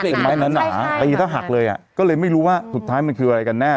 เป็นไม้หนาตีถ้าหักเลยอ่ะก็เลยไม่รู้ว่าสุดท้ายมันคืออะไรกันแน่